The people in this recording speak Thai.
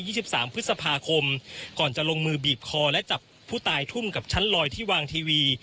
สิบสามพฤษภาคมก่อนจะลงมือบีบคอและจับผู้ตายทุ่มกับชั้นลอยที่วางทีวี